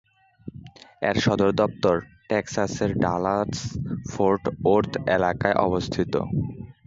এর সদর দপ্তর টেক্সাসের ডালাস-ফোর্ট ওর্থ এলাকায় অবস্থিত।